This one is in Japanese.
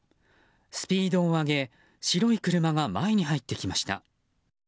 スピードを上げ白い車が前に入ってきました。